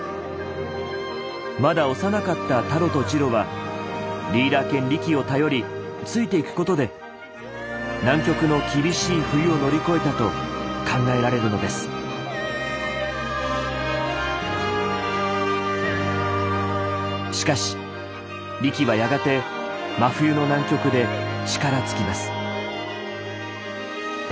まだ幼かったタロとジロはリーダー犬リキを頼りついていくことで南極の厳しい冬を乗り越えたと考えられるのですしかしリキはやがて真冬の南極で力尽きます。